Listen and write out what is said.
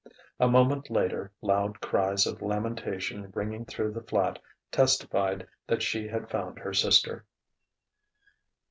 A moment later, loud cries of lamentation ringing through the flat testified that she had found her sister.